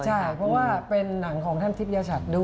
เพราะว่าเป็นหนังภาพของท่านชิปยาชัด